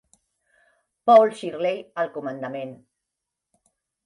Paul Shirley al comandament.